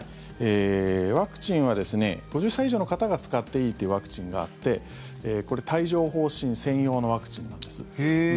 ワクチンはですね５０歳以上の方が使っていいというワクチンがあってこれ、帯状疱疹専用のワクチンなんです。